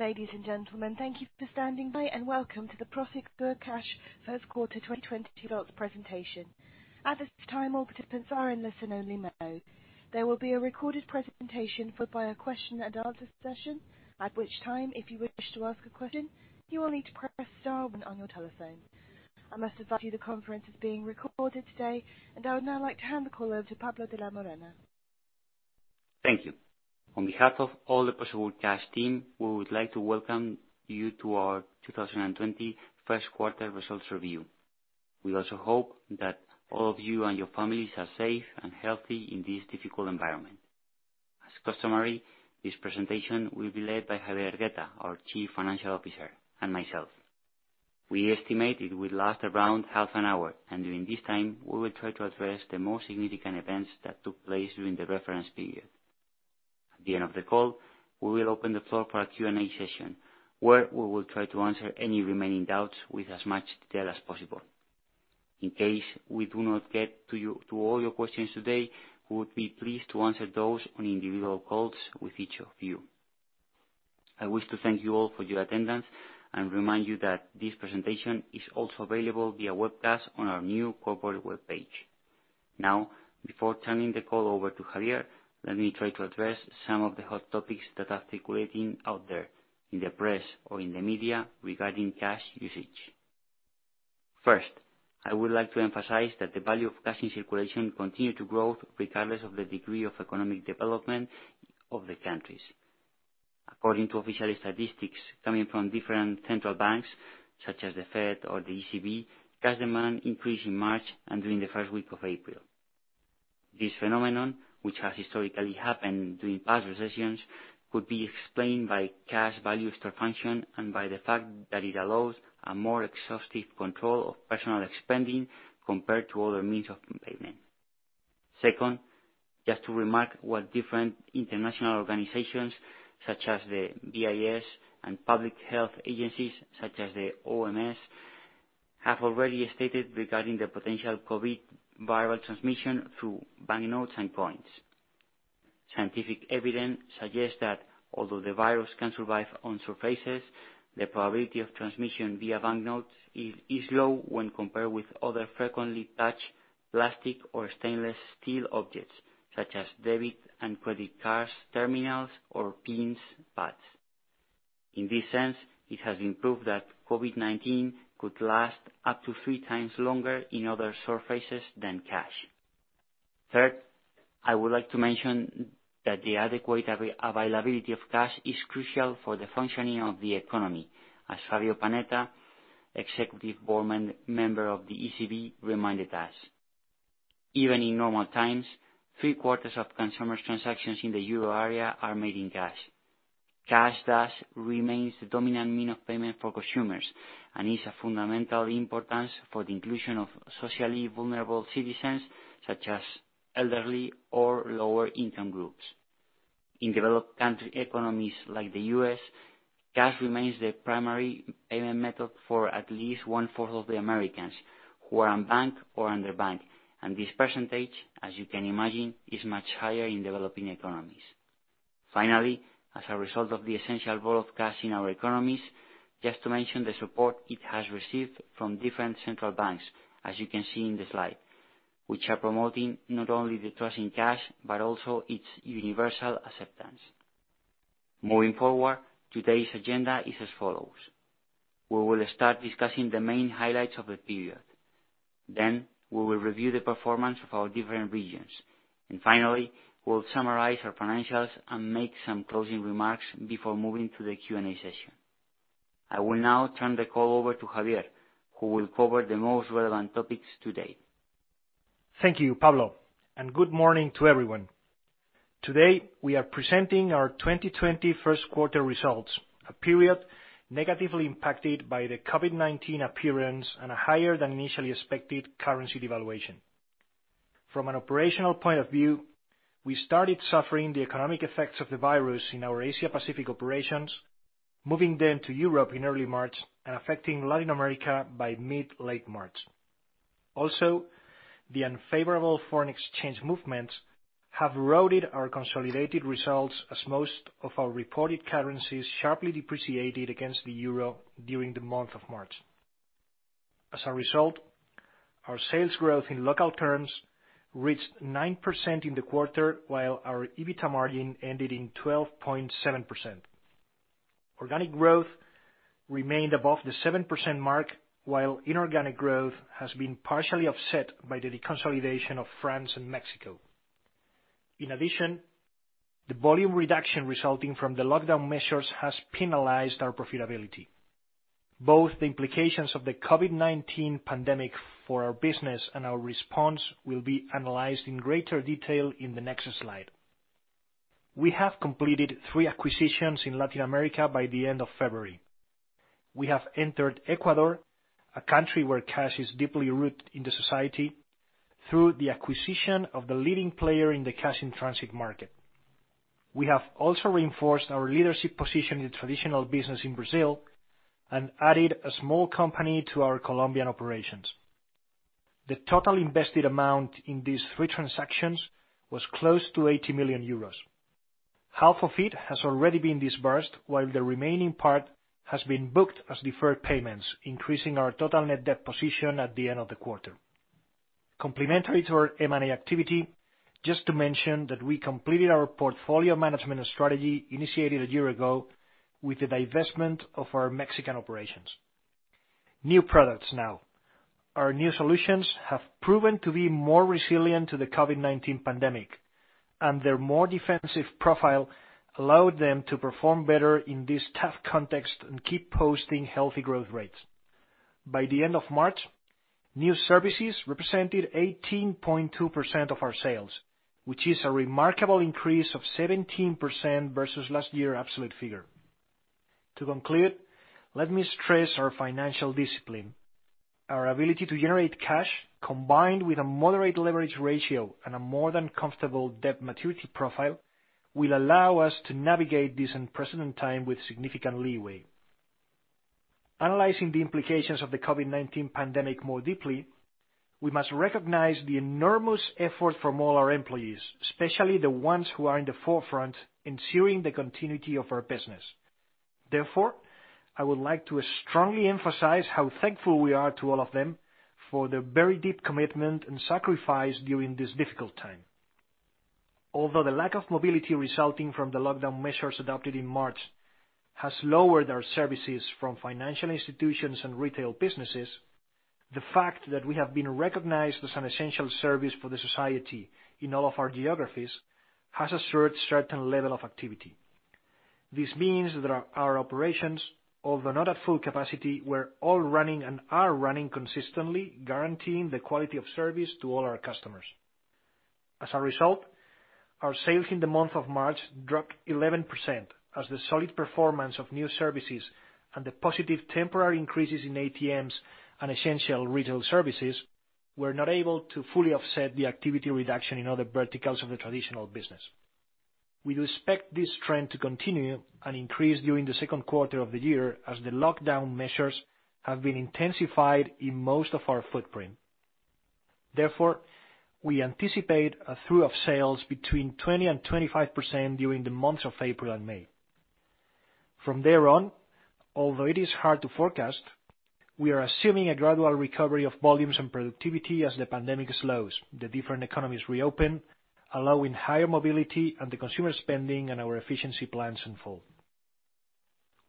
Ladies and gentlemen, thank you for standing by, and welcome to the Prosegur Cash First Quarter 2020 Results Presentation. At this time, all participants are in listen-only mode. There will be a recorded presentation followed by a question and answer session, at which time, if you wish to ask a question, you will need to press star one on your telephone. I must advise you the conference is being recorded today, and I would now like to hand the call over to Pablo de la Morena. Thank you. On behalf of all the Prosegur Cash team, we would like to welcome you to our 2020 first quarter results review. We also hope that all of you and your families are safe and healthy in this difficult environment. As customary, this presentation will be led by Javier Hergueta, our Chief Financial Officer, and myself. We estimate it will last around half an hour, and during this time, we will try to address the most significant events that took place during the reference period. At the end of the call, we will open the floor for a Q&A session where we will try to answer any remaining doubts with as much detail as possible. In case we do not get to all your questions today, we would be pleased to answer those on individual calls with each of you. I wish to thank you all for your attendance and remind you that this presentation is also available via webcast on our new corporate webpage. Now, before turning the call over to Javier, let me try to address some of the hot topics that are circulating out there in the press or in the media regarding cash usage. First, I would like to emphasize that the value of cash in circulation continue to grow regardless of the degree of economic development of the countries. According to official statistics coming from different central banks, such as the Fed or the ECB, cash demand increased in March and during the first week of April. This phenomenon, which has historically happened during past recessions, could be explained by cash value store function and by the fact that it allows a more exhaustive control of personal spending compared to other means of payment. Just to remark what different international organizations, such as the BIS and public health agencies, such as the WHO, have already stated regarding the potential COVID viral transmission through banknotes and coins. Scientific evidence suggests that although the virus can survive on surfaces, the probability of transmission via banknotes is low when compared with other frequently touched plastic or stainless steel objects, such as debit and credit cards terminals or PIN pads. In this sense, it has been proved that COVID-19 could last up to three times longer in other surfaces than cash. I would like to mention that the adequate availability of cash is crucial for the functioning of the economy, as Fabio Panetta, Executive Board Member of the ECB, reminded us. Even in normal times, three-quarters of consumers' transactions in the Euro area are made in cash. Cash thus remains the dominant mean of payment for consumers and is of fundamental importance for the inclusion of socially vulnerable citizens, such as elderly or lower-income groups. In developed country economies like the U.S., cash remains the primary payment method for at least one-fourth of the Americans who are unbanked or underbanked, and this %, as you can imagine, is much higher in developing economies. As a result of the essential role of cash in our economies, just to mention the support it has received from different central banks, as you can see in the slide. Which are promoting not only the trust in cash, but also its universal acceptance. Moving forward, today's agenda is as follows. We will start discussing the main highlights of the period. We will review the performance of our different regions. Finally, we'll summarize our financials and make some closing remarks before moving to the Q&A session. I will now turn the call over to Javier, who will cover the most relevant topics today. Thank you, Pablo. Good morning to everyone. Today, we are presenting our 2020 first quarter results, a period negatively impacted by the COVID-19 appearance and a higher than initially expected currency devaluation. From an operational point of view, we started suffering the economic effects of the virus in our Asia Pacific operations, moving then to Europe in early March and affecting Latin America by mid-late March. The unfavorable foreign exchange movements have eroded our consolidated results as most of our reported currencies sharply depreciated against the EUR during the month of March. As a result, our sales growth in local terms reached 9% in the quarter, while our EBITDA margin ended in 12.7%. Organic growth remained above the 7% mark, while inorganic growth has been partially offset by the deconsolidation of France and Mexico. In addition, the volume reduction resulting from the lockdown measures has penalized our profitability. Both the implications of the COVID-19 pandemic for our business and our response will be analyzed in greater detail in the next slide. We have completed three acquisitions in Latin America by the end of February. We have entered Ecuador, a country where cash is deeply rooted in the society, through the acquisition of the leading player in the cash-in-transit market. We have also reinforced our leadership position in traditional business in Brazil and added a small company to our Colombian operations. The total invested amount in these three transactions was close to 80 million euros. Half of it has already been disbursed, while the remaining part has been booked as deferred payments, increasing our total net debt position at the end of the quarter. Complementary to our M&A activity, just to mention that we completed our portfolio management strategy initiated a year ago with the divestment of our Mexican operations. New products now. Our new solutions have proven to be more resilient to the COVID-19 pandemic, and their more defensive profile allowed them to perform better in this tough context and keep posting healthy growth rates. By the end of March, new services represented 18.2% of our sales, which is a remarkable increase of 17% versus last year absolute figure. To conclude, let me stress our financial discipline. Our ability to generate cash, combined with a moderate leverage ratio and a more than comfortable debt maturity profile, will allow us to navigate this unprecedented time with significant leeway. Analyzing the implications of the COVID-19 pandemic more deeply, we must recognize the enormous effort from all our employees, especially the ones who are in the forefront ensuring the continuity of our business. Therefore, I would like to strongly emphasize how thankful we are to all of them for their very deep commitment and sacrifice during this difficult time. Although the lack of mobility resulting from the lockdown measures adopted in March has lowered our services from financial institutions and retail businesses, the fact that we have been recognized as an essential service for the society in all of our geographies has assured certain level of activity. This means that our operations, although not at full capacity, were all running and are running consistently, guaranteeing the quality of service to all our customers. As a result, our sales in the month of March dropped 11%, as the solid performance of new services and the positive temporary increases in ATMs and essential retail services were not able to fully offset the activity reduction in other verticals of the traditional business. We'd expect this trend to continue and increase during the second quarter of the year as the lockdown measures have been intensified in most of our footprint. Therefore, we anticipate a trough of sales between 20% and 25% during the months of April and May. From there on, although it is hard to forecast, we are assuming a gradual recovery of volumes and productivity as the pandemic slows, the different economies reopen, allowing higher mobility and the consumer spending and our efficiency plans unfold.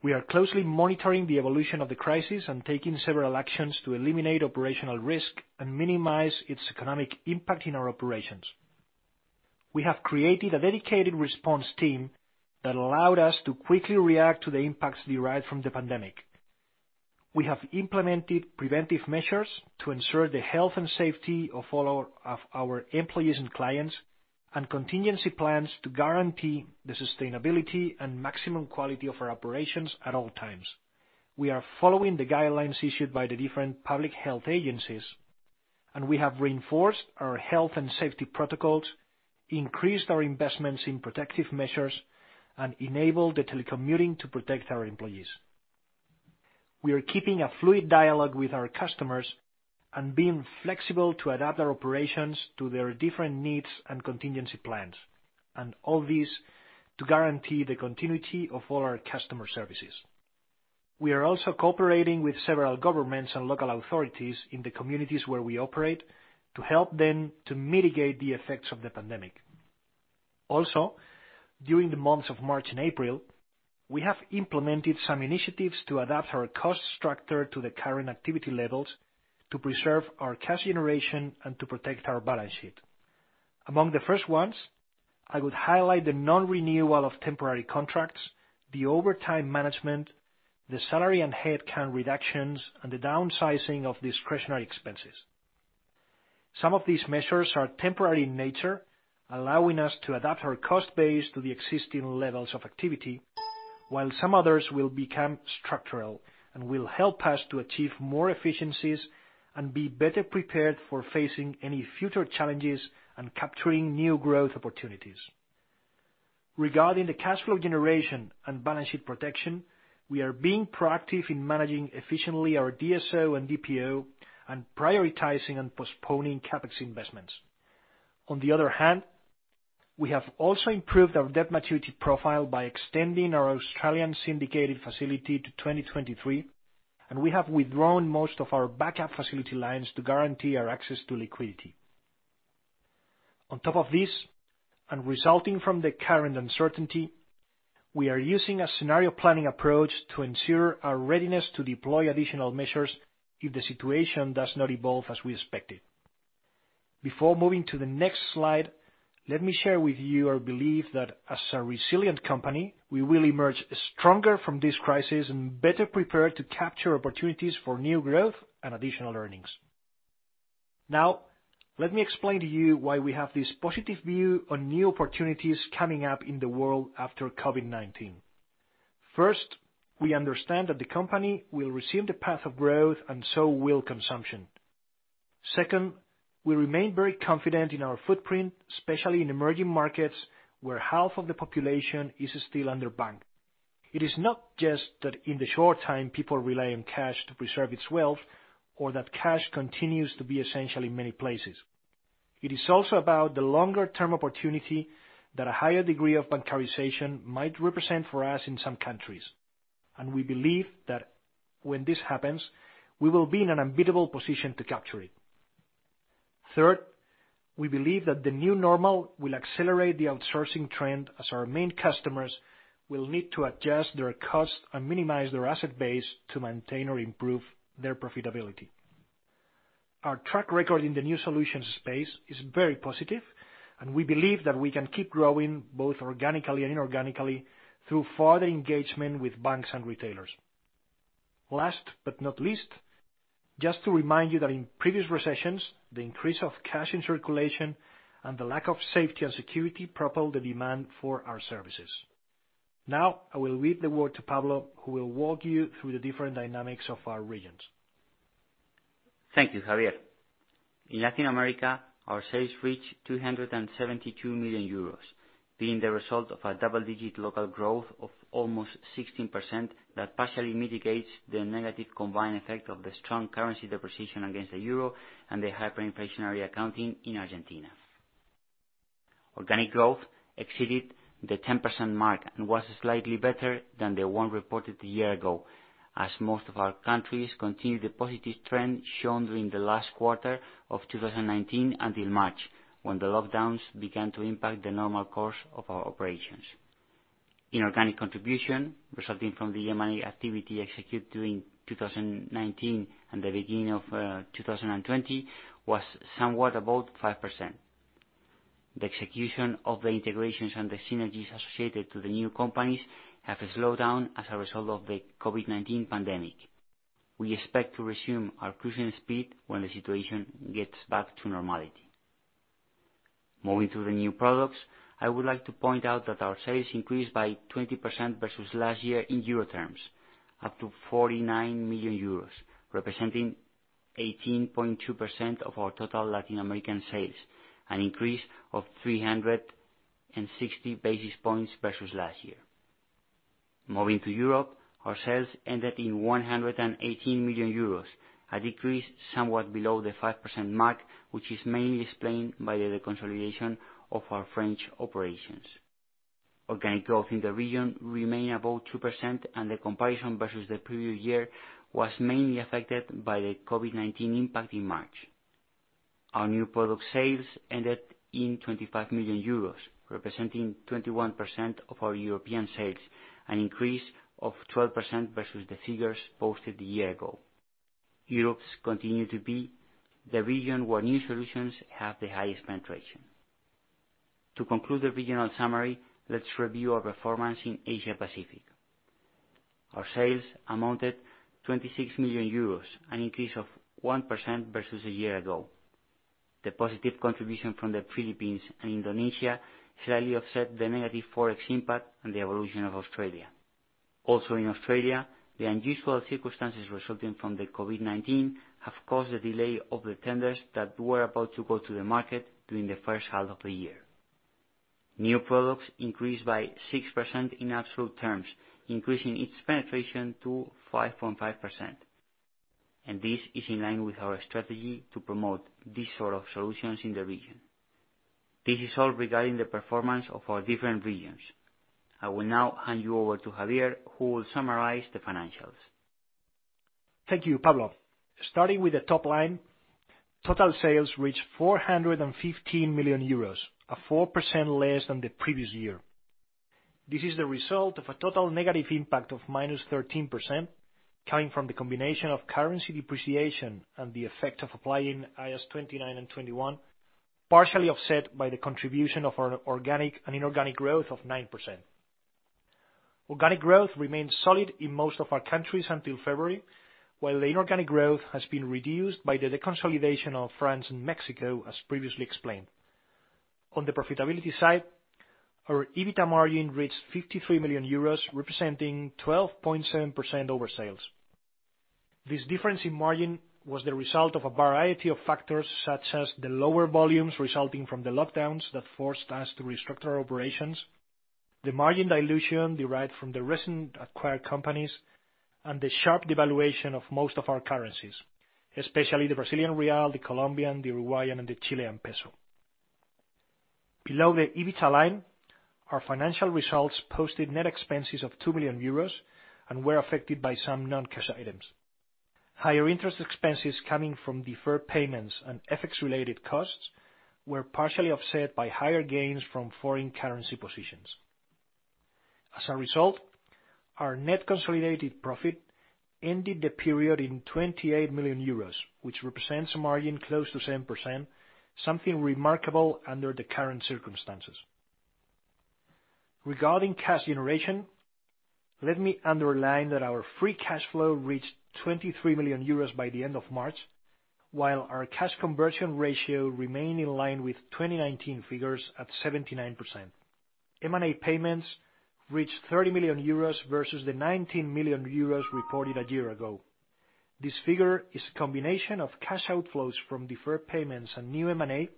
We are closely monitoring the evolution of the crisis and taking several actions to eliminate operational risk and minimize its economic impact in our operations. We have created a dedicated response team that allowed us to quickly react to the impacts derived from the pandemic. We have implemented preventive measures to ensure the health and safety of all our employees and clients, and contingency plans to guarantee the sustainability and maximum quality of our operations at all times. We are following the guidelines issued by the different public health agencies, and we have reinforced our health and safety protocols, increased our investments in protective measures, and enabled the telecommuting to protect our employees. We are keeping a fluid dialogue with our customers and being flexible to adapt our operations to their different needs and contingency plans, and all this to guarantee the continuity of all our customer services. We are also cooperating with several governments and local authorities in the communities where we operate to help them to mitigate the effects of the pandemic. During the months of March and April, we have implemented some initiatives to adapt our cost structure to the current activity levels to preserve our cash generation and to protect our balance sheet. Among the first ones, I would highlight the non-renewal of temporary contracts, the overtime management, the salary and headcount reductions, and the downsizing of discretionary expenses. Some of these measures are temporary in nature, allowing us to adapt our cost base to the existing levels of activity, while some others will become structural and will help us to achieve more efficiencies and be better prepared for facing any future challenges and capturing new growth opportunities. Regarding the cash flow generation and balance sheet protection, we are being proactive in managing efficiently our DSO and DPO and prioritizing and postponing CapEx investments. On the other hand, we have also improved our debt maturity profile by extending our Australian syndicated facility to 2023, and we have withdrawn most of our backup facility lines to guarantee our access to liquidity. On top of this, and resulting from the current uncertainty, we are using a scenario planning approach to ensure our readiness to deploy additional measures if the situation does not evolve as we expected. Before moving to the next slide, let me share with you our belief that as a resilient company, we will emerge stronger from this crisis and better prepared to capture opportunities for new growth and additional earnings. Now, let me explain to you why we have this positive view on new opportunities coming up in the world after COVID-19. First, we understand that the company will resume the path of growth and so will consumption. Second, we remain very confident in our footprint, especially in emerging markets, where half of the population is still underbanked. It is not just that in the short time, people rely on cash to preserve its wealth, or that cash continues to be essential in many places. It is also about the longer-term opportunity that a higher degree of bancarization might represent for us in some countries. We believe that when this happens, we will be in an unbeatable position to capture it. Third, we believe that the new normal will accelerate the outsourcing trend as our main customers will need to adjust their costs and minimize their asset base to maintain or improve their profitability. Our track record in the new solutions space is very positive, and we believe that we can keep growing, both organically and inorganically, through further engagement with banks and retailers. Last but not least, just to remind you that in previous recessions, the increase of cash in circulation and the lack of safety and security propelled the demand for our services. I will leave the word to Pablo, who will walk you through the different dynamics of our regions. Thank you, Javier. In Latin America, our sales reached 272 million euros, being the result of a double-digit local growth of almost 16% that partially mitigates the negative combined effect of the strong currency depreciation against the euro and the hyperinflationary accounting in Argentina. Organic growth exceeded the 10% mark and was slightly better than the one reported a year ago, as most of our countries continued the positive trend shown during the last quarter of 2019 until March, when the lockdowns began to impact the normal course of our operations. Inorganic contribution, resulting from the M&A activity executed during 2019 and the beginning of 2020, was somewhat above 5%. The execution of the integrations and the synergies associated to the new companies have slowed down as a result of the COVID-19 pandemic. We expect to resume our cruising speed when the situation gets back to normality. Moving to the new products, I would like to point out that our sales increased by 20% versus last year in euro terms, up to 49 million euros, representing 18.2% of our total Latin American sales, an increase of 360 basis points versus last year. Moving to Europe, our sales ended in 118 million euros, a decrease somewhat below the 5% mark, which is mainly explained by the deconsolidation of our French operations. The comparison versus the previous year was mainly affected by the COVID-19 impact in March. Our new product sales ended in 25 million euros, representing 21% of our European sales, an increase of 12% versus the figures posted a year ago. Europe continues to be the region where new solutions have the highest penetration. To conclude the regional summary, let's review our performance in Asia Pacific. Our sales amounted 26 million euros, an increase of 1% versus a year ago. The positive contribution from the Philippines and Indonesia slightly offset the negative Forex impact and the evolution of Australia. Also in Australia, the unusual circumstances resulting from the COVID-19 have caused the delay of the tenders that were about to go to the market during the first half of the year. New products increased by 6% in absolute terms, increasing its penetration to 5.5%. This is in line with our strategy to promote these sort of solutions in the region. This is all regarding the performance of our different regions. I will now hand you over to Javier, who will summarize the financials. Thank you, Pablo. Starting with the top line, total sales reached 415 million euros, 4% less than the previous year. This is the result of a total negative impact of -13%, coming from the combination of currency depreciation and the effect of applying IAS 29 and 21, partially offset by the contribution of our organic and inorganic growth of 9%. Organic growth remained solid in most of our countries until February, while the inorganic growth has been reduced by the deconsolidation of France and Mexico, as previously explained. On the profitability side, our EBITDA margin reached 53 million euros, representing 12.7% over sales. This difference in margin was the result of a variety of factors, such as the lower volumes resulting from the lockdowns that forced us to restructure our operations, the margin dilution derived from the recent acquired companies, and the sharp devaluation of most of our currencies, especially the Brazilian real, the Colombian, the Uruguayan, and the Chilean peso. Below the EBITDA line, our financial results posted net expenses of 2 million euros and were affected by some non-cash items. Higher interest expenses coming from deferred payments and FX-related costs were partially offset by higher gains from foreign currency positions. As a result, our net consolidated profit ended the period in 28 million euros, which represents a margin close to 7%, something remarkable under the current circumstances. Regarding cash generation, let me underline that our free cash flow reached 23 million euros by the end of March, while our cash conversion ratio remained in line with 2019 figures at 79%. M&A payments reached 30 million euros versus the 19 million euros reported a year ago. This figure is a combination of cash outflows from deferred payments and new M&A,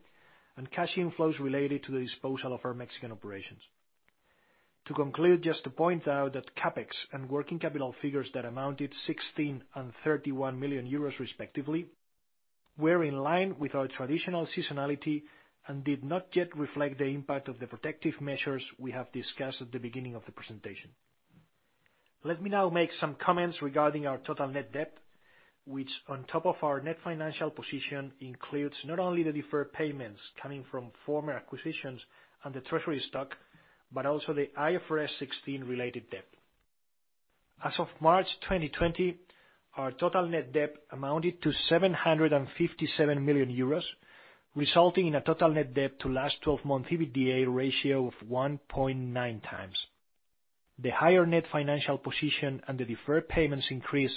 and cash inflows related to the disposal of our Mexican operations. To conclude, just to point out that CapEx and working capital figures that amounted 16 and 31 million euros respectively, were in line with our traditional seasonality and did not yet reflect the impact of the protective measures we have discussed at the beginning of the presentation. Let me now make some comments regarding our total net debt, which on top of our net financial position, includes not only the deferred payments coming from former acquisitions and the treasury stock, but also the IFRS 16 related debt. As of March 2020, our total net debt amounted to 757 million euros, resulting in a total net debt to last 12-month EBITDA ratio of 1.9x. The higher net financial position and the deferred payments increase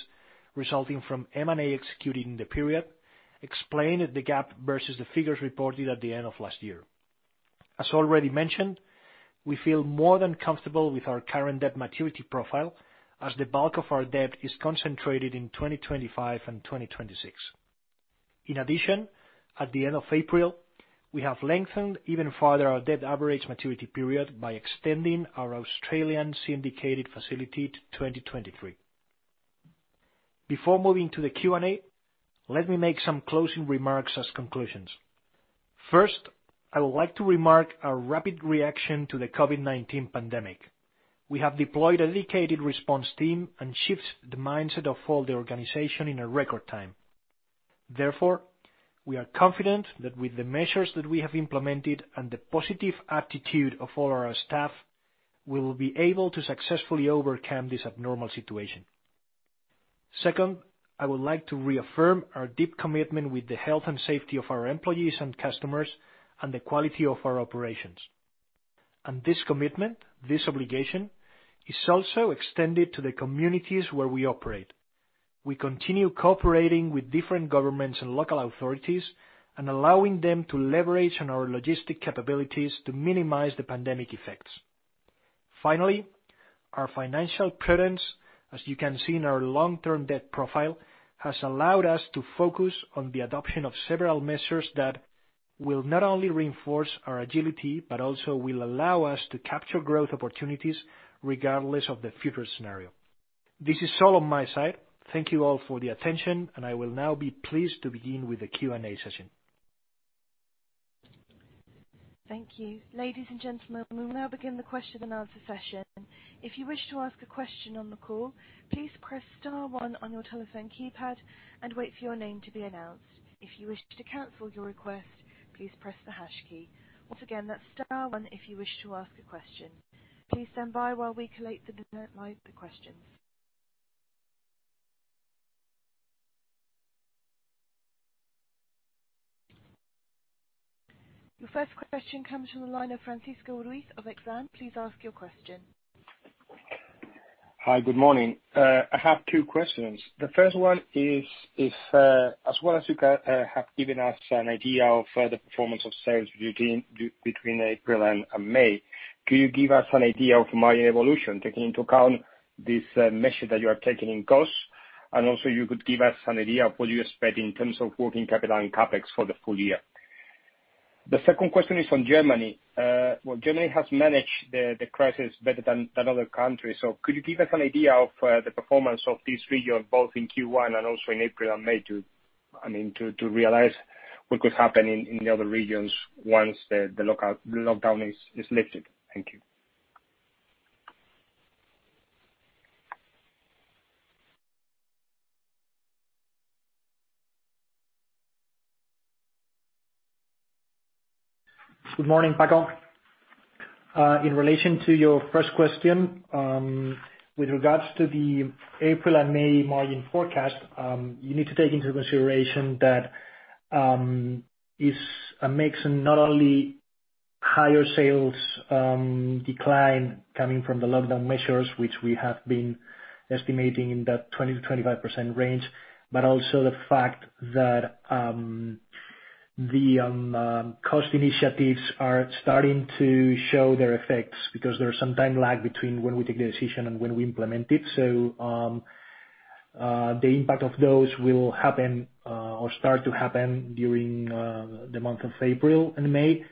resulting from M&A executing the period, explained the gap versus the figures reported at the end of last year. As already mentioned, we feel more than comfortable with our current debt maturity profile, as the bulk of our debt is concentrated in 2025 and 2026. In addition, at the end of April, we have lengthened even further our debt average maturity period by extending our Australian syndicated facility to 2023. Before moving to the Q&A, let me make some closing remarks as conclusions. First, I would like to remark our rapid reaction to the COVID-19 pandemic. We have deployed a dedicated response team and shifts the mindset of all the organization in a record time. We are confident that with the measures that we have implemented and the positive attitude of all our staff, we will be able to successfully overcome this abnormal situation. Second, I would like to reaffirm our deep commitment with the health and safety of our employees and customers, and the quality of our operations. This commitment, this obligation, is also extended to the communities where we operate. We continue cooperating with different governments and local authorities and allowing them to leverage on our logistic capabilities to minimize the pandemic effects. Finally, our financial prudence, as you can see in our long-term debt profile, has allowed us to focus on the adoption of several measures that will not only reinforce our agility, but also will allow us to capture growth opportunities regardless of the future scenario. This is all on my side. Thank you all for the attention, and I will now be pleased to begin with the Q&A session. Thank you. Ladies and gentlemen, we will now begin the question and answer session. If you wish to ask a question on the call, please press star one on your telephone keypad and wait for your name to be announced. If you wish to cancel your request, please press the hash key. Please stand by while we collate the questions. Your first question comes from the line of Francisco Ruiz of Exane. Please ask your question. Hi, good morning. I have two questions. The first one is, as well as you have given us an idea of the performance of sales between April and May, can you give us an idea of margin evolution, taking into account this measure that you are taking in costs, and also you could give us an idea of what you expect in terms of working capital and CapEx for the full year. The second question is on Germany. Well, Germany has managed the crisis better than other countries. Could you give us an idea of the performance of this region, both in Q1 and also in April and May, to realize what could happen in the other regions once the lockdown is lifted? Thank you. Good morning, Paco. In relation to your first question, with regards to the April and May margin forecast, you need to take into consideration that it makes not only higher sales decline coming from the lockdown measures, which we have been estimating in that 20%-25% range, but also the fact that the cost initiatives are starting to show their effects because there are some time lag between when we take the decision and when we implement it. The impact of those will happen or start to happen during the month of April and May.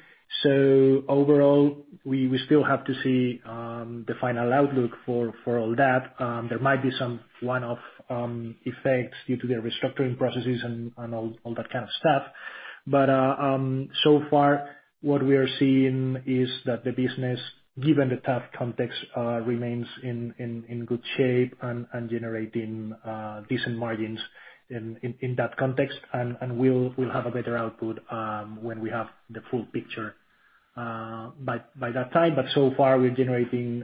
Overall, we still have to see the final outlook for all that. There might be some one-off effects due to the restructuring processes and all that kind of stuff. So far what we are seeing is that the business, given the tough context, remains in good shape and generating decent margins in that context. We'll have a better output when we have the full picture by that time. So far, we're generating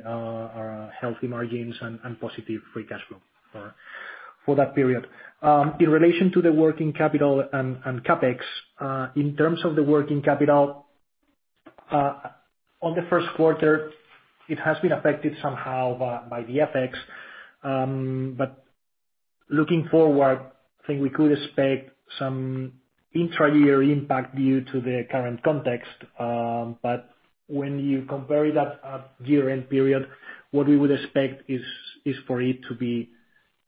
healthy margins and positive free cash flow for that period. In relation to the working capital and CapEx, in terms of the working capital, on the first quarter, it has been affected somehow by the FX. Looking forward, I think we could expect some intra-year impact due to the current context. When you compare that year-end period, what we would expect is for it to be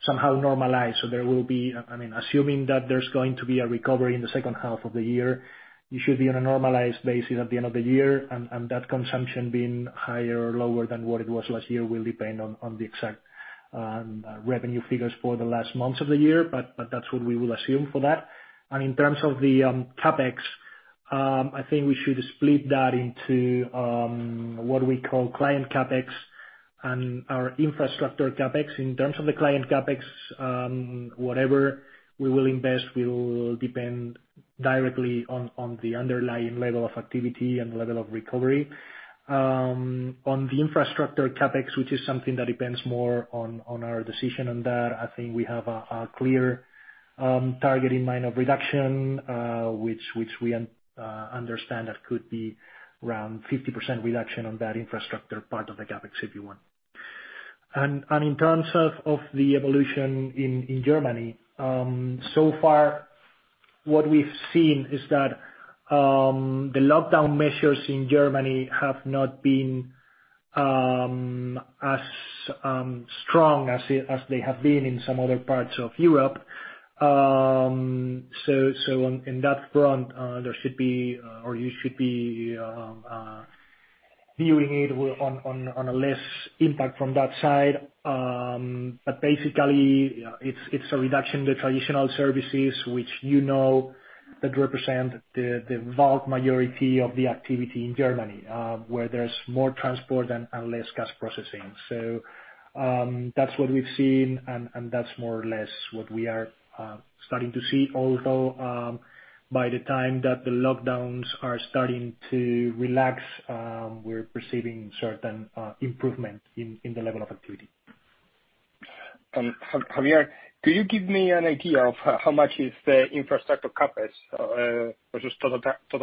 somehow normalized. There will be, assuming that there's going to be a recovery in the second half of the year, you should be on a normalized basis at the end of the year, and that consumption being higher or lower than what it was last year will depend on the exact revenue figures for the last months of the year, but that's what we will assume for that. In terms of the CapEx, I think we should split that into what we call client CapEx and our infrastructure CapEx. In terms of the client CapEx, whatever we will invest will depend directly on the underlying level of activity and level of recovery. On the infrastructure CapEx, which is something that depends more on our decision on that, I think we have a clear target in mind of reduction, which we understand that could be around 50% reduction on that infrastructure part of the CapEx, if you want. In terms of the evolution in Germany, so far, what we've seen is that the lockdown measures in Germany have not been as strong as they have been in some other parts of Europe. On in that front, there should be, or you should be viewing it on a less impact from that side. Basically, it's a reduction, the traditional services, which you know, that represent the vast majority of the activity in Germany where there's more transport and less cash processing. That's what we've seen, and that's more or less what we are starting to see. Although, by the time that the lockdowns are starting to relax, we're perceiving certain improvement in the level of activity. Javier, could you give me an idea of how much is the infrastructure CapEx versus total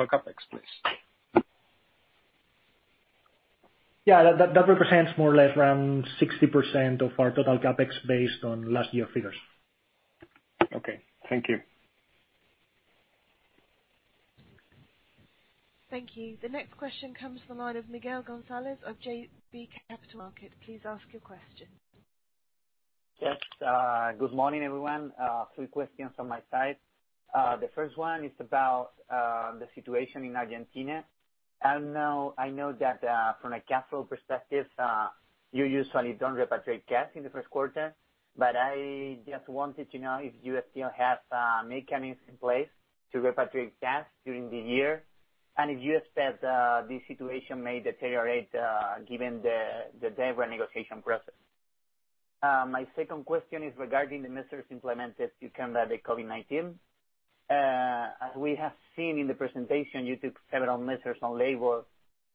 CapEx, please? Yeah, that represents more or less around 60% of our total CapEx based on last year figures. Okay. Thank you. Thank you. The next question comes from the line of Miguel González of JB Capital Markets. Please ask your question. Yes. Good morning, everyone. Three questions from my side. The first one is about the situation in Argentina. I know that from a cash flow perspective, you usually don't repatriate cash in the first quarter, but I just wanted to know if you still have mechanisms in place to repatriate cash during the year, and if you expect this situation may deteriorate given the debt renegotiation process. My second question is regarding the measures implemented to combat the COVID-19. As we have seen in the presentation, you took several measures on labor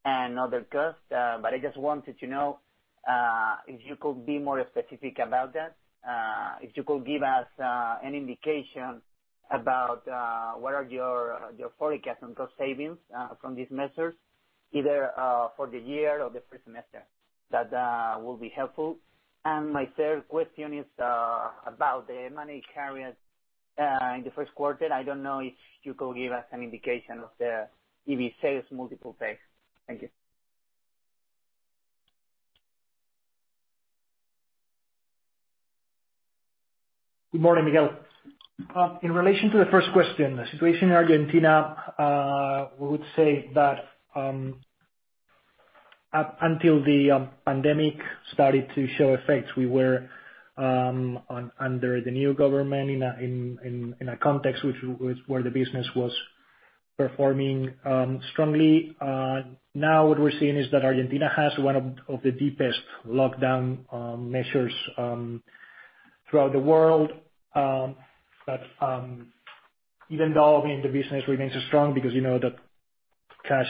and other costs. I just wanted to know if you could be more specific about that. If you could give us an indication about what are your forecast on cost savings from these measures, either for the year or the first semester. That will be helpful. My third question is about the money carried in the first quarter. I don't know if you could give us an indication of the EV sales multiple there. Thank you. Good morning, Miguel. In relation to the first question, the situation in Argentina, we would say that until the pandemic started to show effects, we were under the new government in a context where the business was performing strongly. Now what we're seeing is that Argentina has one of the deepest lockdown measures throughout the world. Even though, I mean, the business remains strong because you know that cash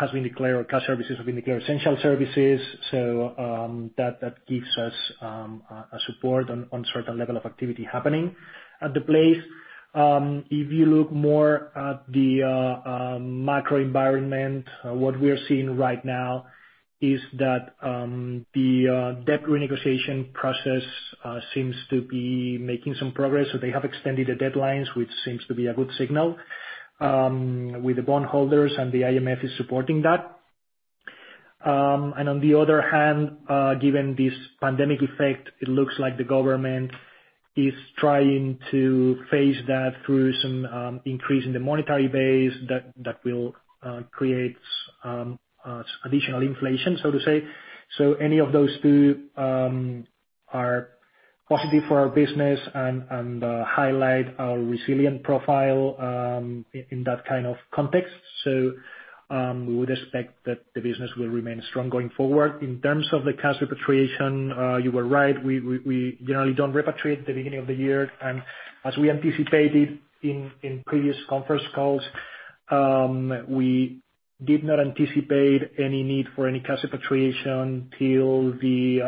has been declared, or cash services have been declared essential services, so that gives us a support on certain level of activity happening at the place. If you look more at the macro environment, what we are seeing right now is that the debt renegotiation process seems to be making some progress. They have extended the deadlines, which seems to be a good signal, with the bond holders and the IMF is supporting that. On the other hand, given this pandemic effect, it looks like the government is trying to phase that through some increase in the monetary base that will create additional inflation, so to say. Any of those two are positive for our business and highlight our resilient profile in that kind of context, so we would expect that the business will remain strong going forward. In terms of the cash repatriation, you were right, we generally don't repatriate the beginning of the year. As we anticipated in previous conference calls, we did not anticipate any need for any cash repatriation till the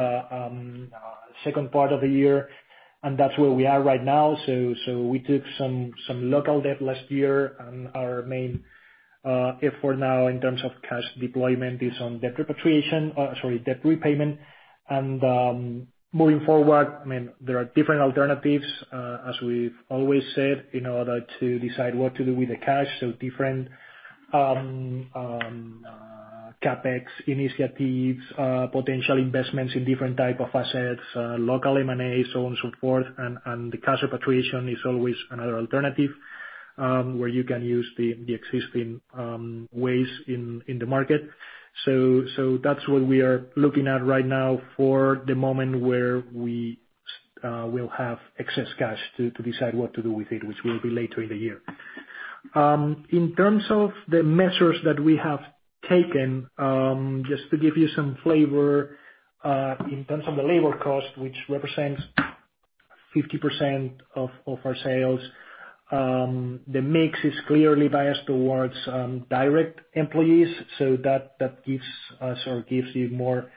second part of the year, and that's where we are right now. We took some local debt last year, and our main effort now in terms of cash deployment is on debt repayment. Moving forward, there are different alternatives, as we've always said, in order to decide what to do with the cash. Different CapEx initiatives, potential investments in different type of assets, local M&A, so on and so forth. The cash repatriation is always another alternative, where you can use the existing ways in the market. That's what we are looking at right now for the moment where we will have excess cash to decide what to do with it, which will be later in the year. In terms of the measures that we have taken, just to give you some flavor, in terms of the labor cost, which represents 50% of our sales, the mix is clearly biased towards direct employees. That gives you more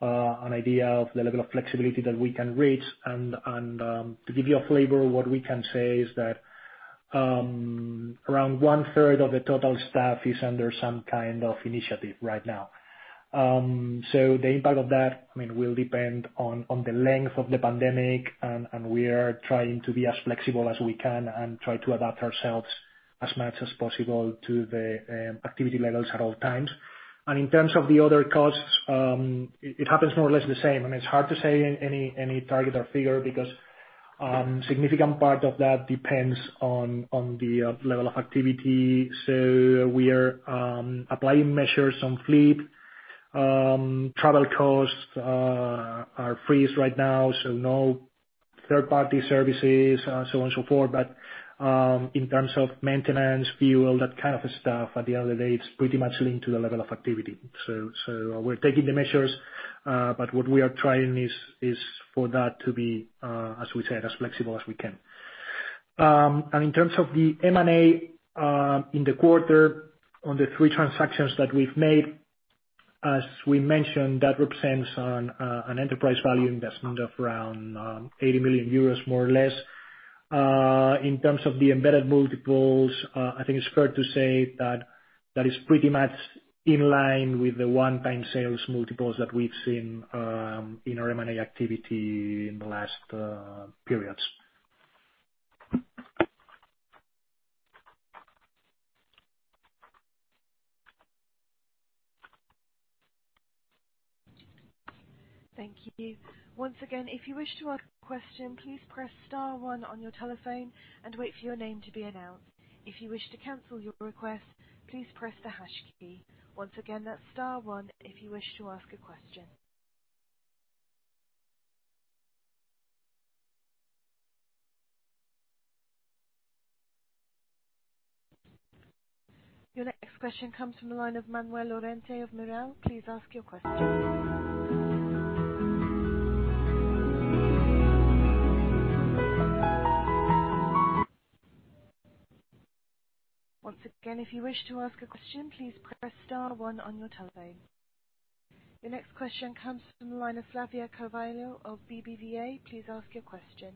an idea of the level of flexibility that we can reach. To give you a flavor, what we can say is that around one third of the total staff is under some kind of initiative right now. The impact of that will depend on the length of the pandemic, and we are trying to be as flexible as we can and try to adapt ourselves as much as possible to the activity levels at all times. In terms of the other costs, it happens more or less the same, and it's hard to say any target or figure because significant part of that depends on the level of activity. We are applying measures on fleet. Travel costs are freeze right now, so no third-party services, so on and so forth. In terms of maintenance, fuel, that kind of stuff, at the end of the day, it's pretty much linked to the level of activity. We're taking the measures, but what we are trying is for that to be, as we said, as flexible as we can. In terms of the M&A in the quarter, on the three transactions that we've made, as we mentioned, that represents an enterprise value investment of around 80 million euros, more or less. In terms of the embedded multiples, I think it's fair to say that is pretty much in line with the one-time sales multiples that we've seen in our M&A activity in the last periods. Thank you. Your next question comes from the line of Manuel Lorente of Mirabaud. Please ask your question. Once again, if you wish to ask a question, please press star one on your telephone. Your next question comes from the line of Flavia Carvalho of BBVA. Please ask your question.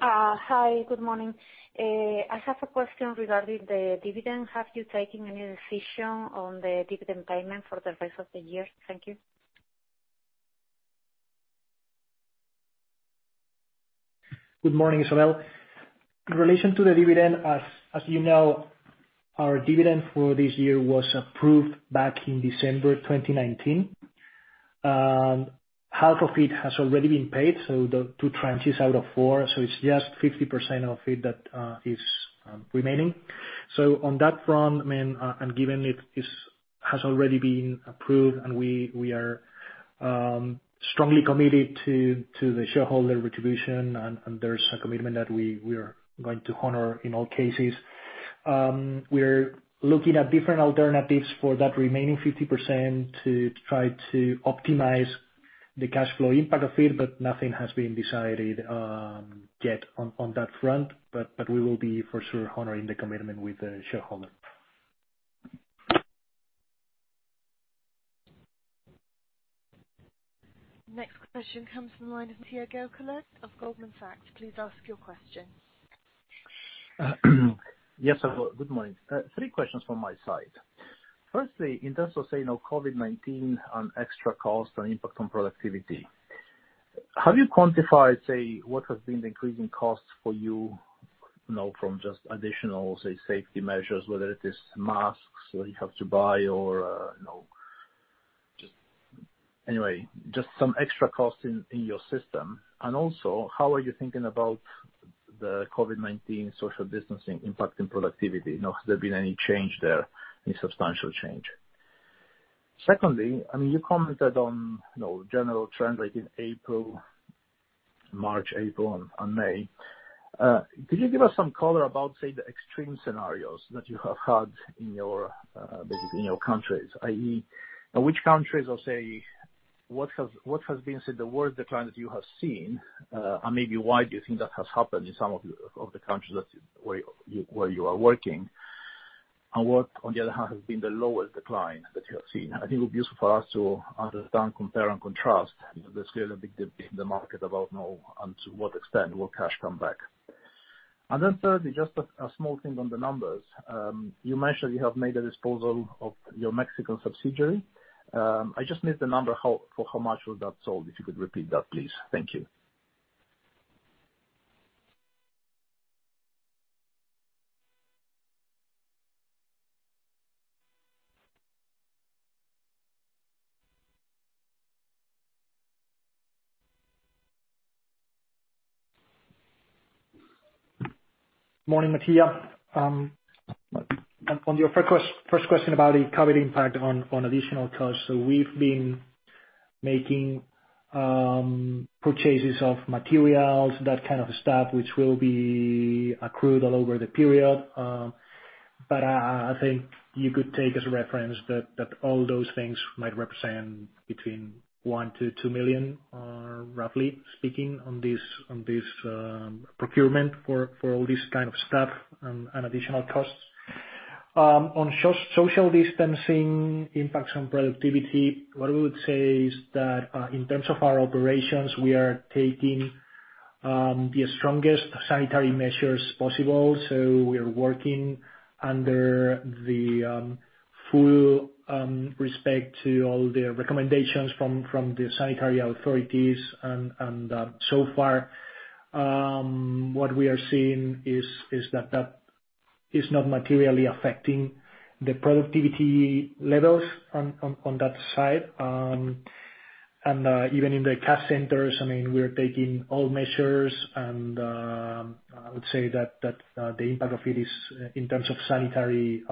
Hi. Good morning. I have a question regarding the dividend. Have you taken any decision on the dividend payment for the rest of the year? Thank you. Good morning, Isabel. In relation to the dividend, as you know, our dividend for this year was approved back in December 2019. Half of it has already been paid, so the two tranches out of four. It's just 50% of it that is remaining. On that front, and given it has already been approved and we are strongly committed to the shareholder retribution, and there's a commitment that we are going to honor in all cases. We are looking at different alternatives for that remaining 50% to try to optimize the cash flow impact of it, but nothing has been decided yet on that front. We will be for sure honoring the commitment with the shareholder. Next question comes from the line of Thiago Collaert of Goldman Sachs. Please ask your question. Yes. Good morning. Three questions from my side. Firstly, in terms of COVID-19 and extra cost and impact on productivity, have you quantified, say, what has been the increasing cost for you now from just additional, say, safety measures, whether it is masks that you have to buy or just some extra cost in your system? Also, how are you thinking about the COVID-19 social distancing impact in productivity now? Has there been any change there, any substantial change? Secondly, you commented on general trend rate in April, March, April, and May. Could you give us some color about, say, the extreme scenarios that you have had in your countries, i.e., which countries or, say, what has been, say, the worst decline that you have seen? Maybe why do you think that has happened in some of the countries where you are working? What, on the other hand, has been the lowest decline that you have seen? I think it would be useful for us to understand, compare, and contrast the scale of the market about now and to what extent will cash come back. Thirdly, just a small thing on the numbers. You mentioned you have made a disposal of your Mexican subsidiary. I just missed the number for how much was that sold, if you could repeat that, please. Thank you. Morning, Mattia. Your first question about the COVID-19 impact on additional costs, we've been making purchases of materials, that kind of stuff, which will be accrued all over the period. I think you could take as a reference that all those things might represent between one million to two million, roughly speaking, on this procurement for all this kind of stuff and additional costs. Social distancing impacts on productivity, what I would say is that in terms of our operations, we are taking the strongest sanitary measures possible. We are working under the full respect to all the recommendations from the sanitary authorities. So far, what we are seeing is that that is not materially affecting the productivity levels on that side. Even in the cash centers, we are taking all measures, and I would say that the impact of it is, in terms of sanitary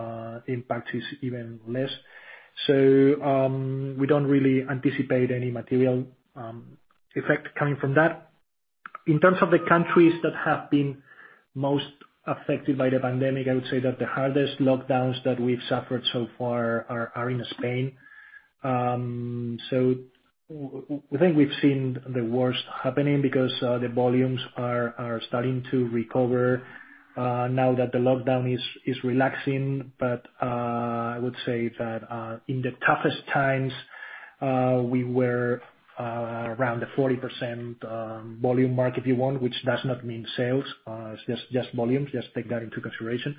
impact, is even less. We don't really anticipate any material effect coming from that. In terms of the countries that have been most affected by the pandemic, I would say that the hardest lockdowns that we've suffered so far are in Spain. I think we've seen the worst happening because the volumes are starting to recover now that the lockdown is relaxing. I would say that in the toughest times, we were around the 40% volume mark, if you want, which does not mean sales, it's just volume. Just take that into consideration.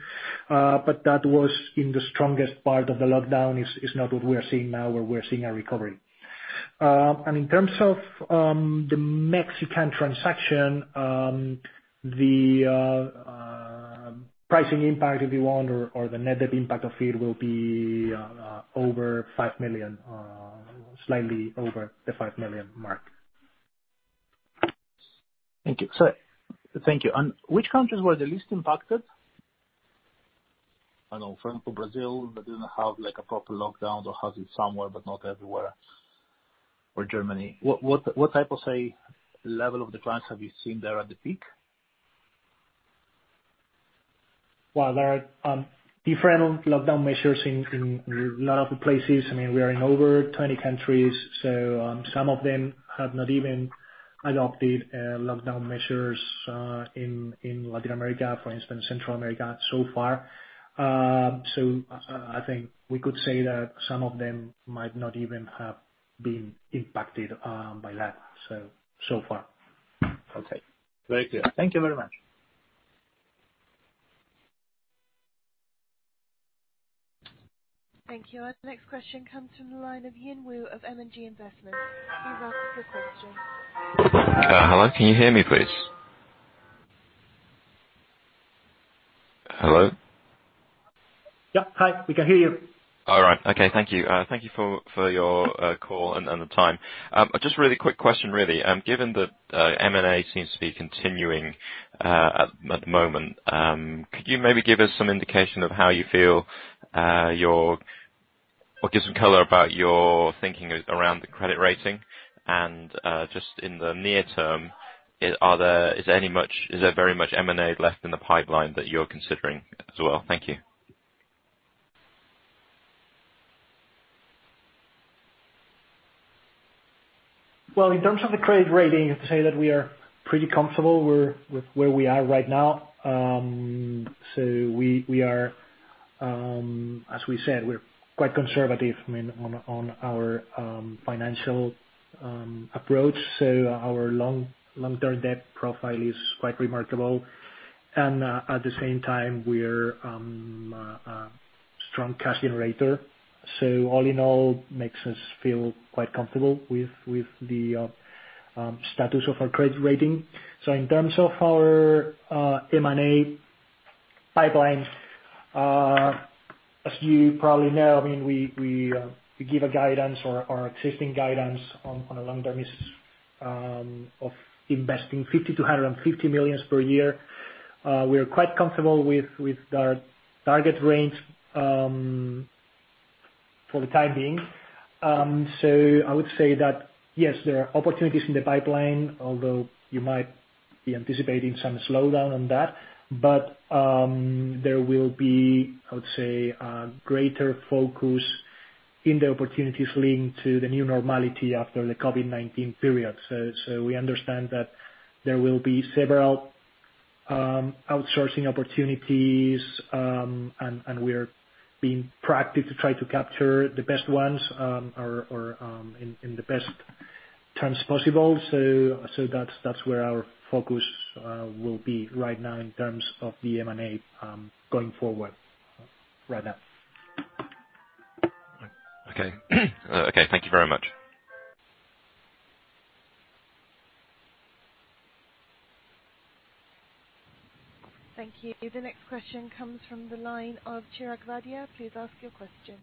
That was in the strongest part of the lockdown. It's not what we are seeing now, where we are seeing a recovery. In terms of the Mexican transaction, the pricing impact, if you want, or the net impact of it will be over slightly over the 5 million mark. Thank you. Which countries were the least impacted? I know France or Brazil, they didn't have a proper lockdown or have it somewhere, but not everywhere, or Germany. What type of level of the clients have you seen there at the peak? Well, there are different lockdown measures in a lot of places. We are in over 20 countries. Some of them have not even adopted lockdown measures in Latin America, for instance, Central America, so far. I think we could say that some of them might not even have been impacted by that so far. Okay. Thank you. Thank you very much. Thank you. Our next question comes from the line of Yin Wu of L&G Investment. You may ask your question. Hello, can you hear me, please? Hello? Yeah. Hi, we can hear you. All right. Okay. Thank you. Thank you for your call and the time. Just really quick question, really. Given that M&A seems to be continuing at the moment, could you maybe give us some indication of how you feel, or give some color about your thinking around the credit rating? Just in the near term, is there very much M&A left in the pipeline that you're considering as well? Thank you. In terms of the credit rating, I have to say that we are pretty comfortable with where we are right now. As we said, we're quite conservative on our financial approach. Our long-term debt profile is quite remarkable. At the same time, we're a strong cash generator. All in all, makes us feel quite comfortable with the status of our credit rating. In terms of our M&A pipeline, as you probably know, we give a guidance or our existing guidance on a long-term basis of investing 50 million-150 million per year. We are quite comfortable with our target range for the time being. I would say that yes, there are opportunities in the pipeline, although you might be anticipating some slowdown on that. There will be, I would say, a greater focus in the opportunities linked to the new normality after the COVID-19 period. We understand that there will be several outsourcing opportunities, and we are being proactive to try to capture the best ones or in the best terms possible. That's where our focus will be right now in terms of the M&A going forward right now. Okay. Okay. Thank you very much. Thank you. The next question comes from the line of Chirag Vadhia. Please ask your question.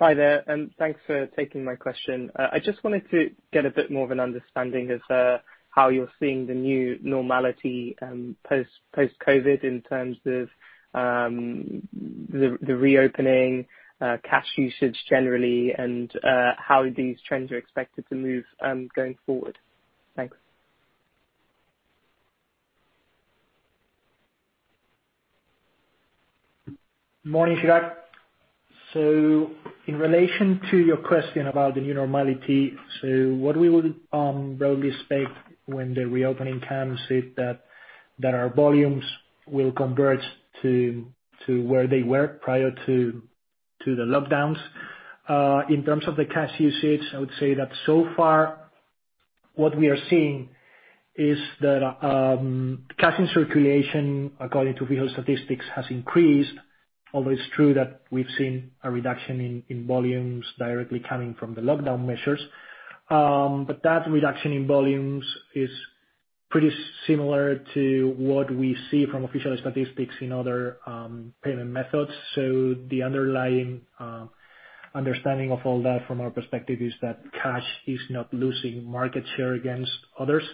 Hi there, thanks for taking my question. I just wanted to get a bit more of an understanding of how you're seeing the new normality, post-COVID in terms of the reopening, cash usage generally, and how these trends are expected to move going forward. Thanks. Morning, Chirag. In relation to your question about the new normality, so what we would broadly expect when the reopening comes is that our volumes will converge to where they were prior to the lockdowns. In terms of the cash usage, I would say that so far what we are seeing is that cash in circulation, according to official statistics, has increased, although it's true that we've seen a reduction in volumes directly coming from the lockdown measures. That reduction in volumes is pretty similar to what we see from official statistics in other payment methods. The underlying understanding of all that from our perspective is that cash is not losing market share against others.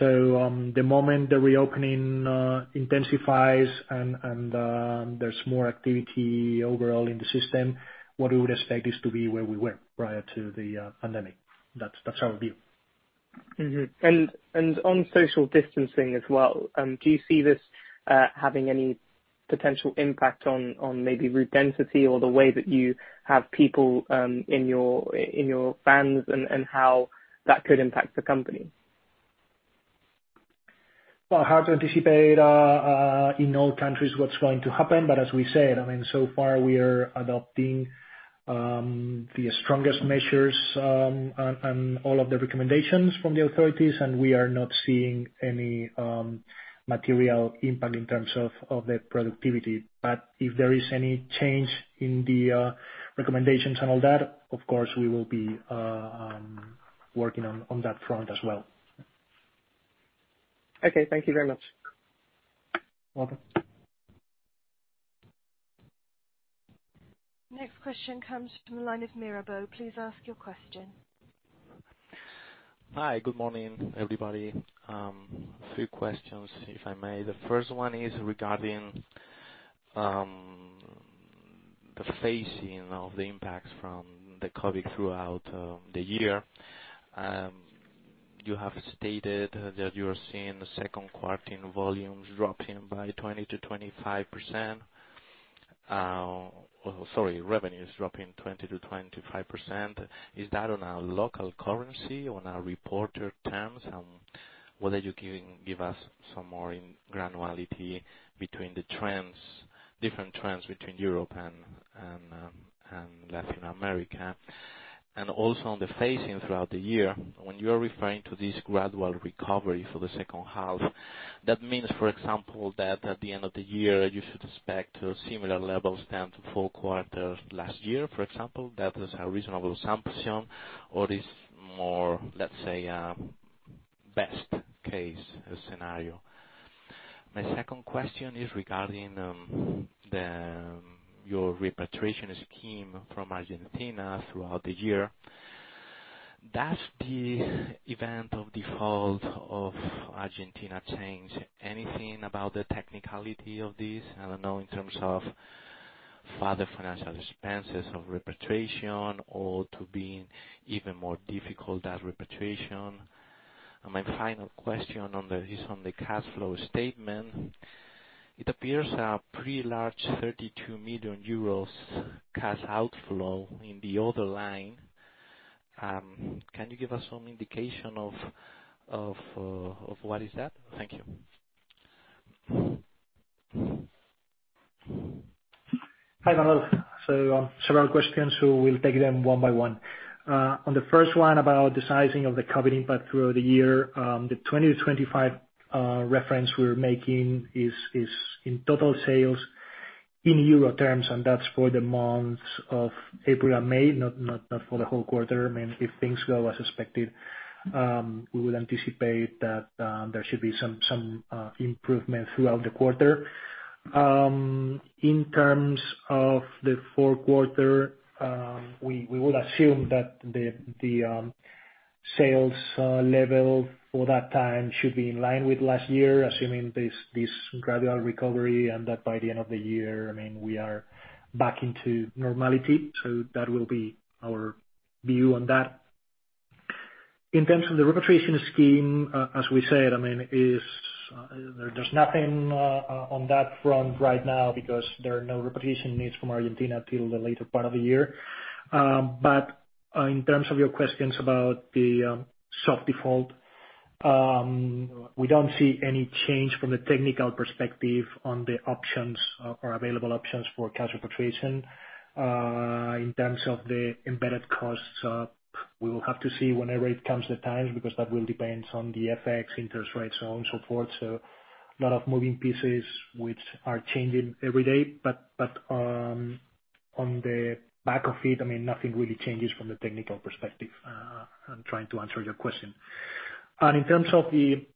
The moment the reopening intensifies and there's more activity overall in the system, what we would expect is to be where we were prior to the pandemic. That's our view. On social distancing as well, do you see this having any potential impact on maybe route density or the way that you have people in your vans, and how that could impact the company? Well, hard to anticipate, in all countries what's going to happen. As we said, so far we are adopting the strongest measures, and all of the recommendations from the authorities, and we are not seeing any material impact in terms of the productivity. If there is any change in the recommendations and all that, of course, we will be working on that front as well. Okay. Thank you very much. Welcome. Next question comes from the line of Mirabaud. Please ask your question. Hi. Good morning, everybody. A few questions, if I may. The first one is regarding the phasing of the impacts from the COVID-19 throughout the year. You have stated that you are seeing the second quarter in volumes dropping by 20%-25%. Sorry, revenues dropping 20%-25%. Is that on a local currency, on a reported terms? Whether you can give us some more granularity between the different trends between Europe and Latin America. Also on the phasing throughout the year, when you're referring to this gradual recovery for the second half, that means, for example, that at the end of the year, you should expect similar levels than to full quarter last year, for example. That is a reasonable assumption or is more, let's say, best case scenario. My second question is regarding your repatriation scheme from Argentina throughout the year. Does the event of default of Argentina change anything about the technicality of this? I don't know, in terms of further financial expenses of repatriation or to be even more difficult, that repatriation. My final question is on the cash flow statement. It appears a pretty large 32 million euros cash outflow in the other line. Can you give us some indication of what is that? Thank you. Hi, Manuel. Several questions. We'll take them one by one. On the first one about the sizing of the COVID impact through the year, the 20-25 reference we're making is in total sales in EUR terms, and that's for the months of April and May, not for the whole quarter. If things go as expected, we would anticipate that there should be some improvement throughout the quarter. In terms of the fourth quarter, we would assume that the sales level for that time should be in line with last year, assuming this gradual recovery and that by the end of the year, we are back into normality. That will be our view on that. In terms of the repatriation scheme, as we said, there's nothing on that front right now because there are no repatriation needs from Argentina till the later part of the year. In terms of your questions about the soft default, we don't see any change from the technical perspective on the options or available options for cash repatriation. In terms of the embedded costs. We will have to see whenever it comes the time, because that will depend on the FX interest rates, so on and so forth. A lot of moving pieces which are changing every day, but on the back of it, nothing really changes from the technical perspective. I'm trying to answer your question. In terms of the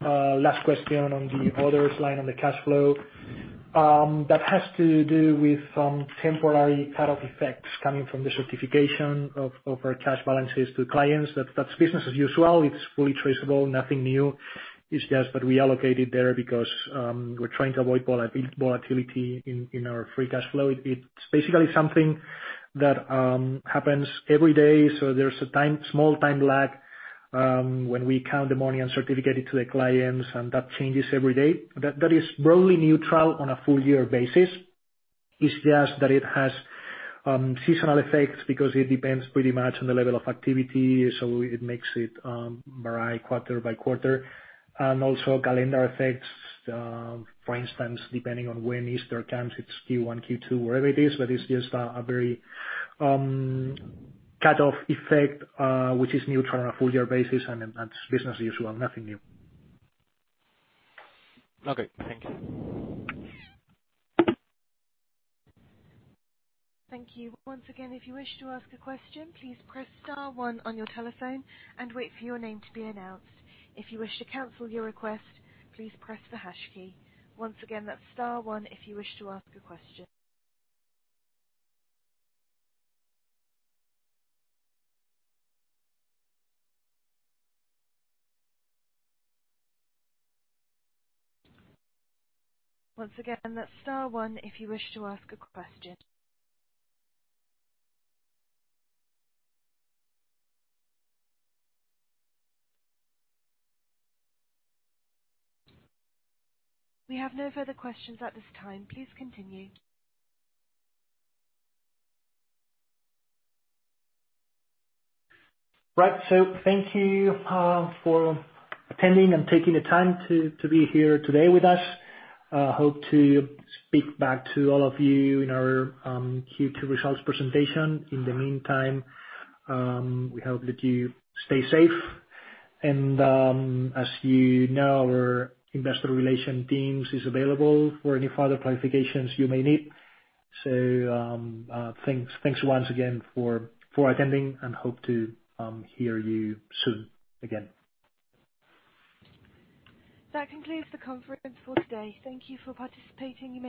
last question on the others line on the cash flow, that has to do with some temporary cutoff effects coming from the certification of our cash balances to clients. That's business as usual. It's fully traceable, nothing new. It's just that we allocated there because we're trying to avoid volatility in our free cash flow. It's basically something that happens every day. There's a small time lag, when we count the money and certificate it to the clients, and that changes every day. That is broadly neutral on a full year basis. It's just that it has seasonal effects because it depends pretty much on the level of activity, so it makes it vary quarter by quarter. Also calendar effects. For instance, depending on when Easter comes, it's Q1, Q2, wherever it is. It's just a very cutoff effect, which is neutral on a full year basis. That's business as usual, nothing new. Okay, thank you. Thank you. We have no further questions at this time. Please continue. Right. Thank you for attending and taking the time to be here today with us. Hope to speak back to all of you in our Q2 results presentation. In the meantime, we hope that you stay safe and, as you know, our investor relation teams is available for any further clarifications you may need. Thanks once again for attending and hope to hear you soon again. That concludes the conference for today. Thank you for participating. You may disconnect.